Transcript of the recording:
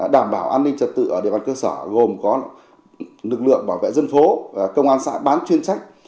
đảm bảo an ninh trật tự ở địa bàn cơ sở gồm có lực lượng bảo vệ dân phố công an xã bán chuyên trách